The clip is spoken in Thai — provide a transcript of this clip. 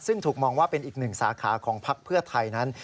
ซึ่งถูกมองว่าเป็นอีกหนึ่งสาขาของพักเพื่อไทยนั้น